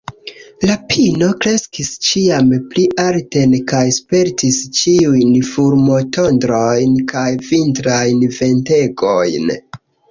La pino kreskis ĉiam pli alten kaj spertis ĉiujn fulmotondrojn kaj vintrajn ventegojn.